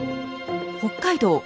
北海道